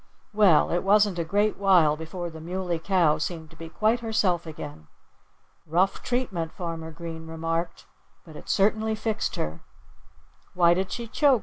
Well, it wasn't a great while before the Muley Cow seemed to be quite herself again. "Rough treatment!" Farmer Green remarked. "But it certainly fixed her." "Why did she choke?"